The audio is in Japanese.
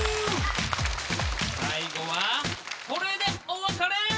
最後はこれでお別れ！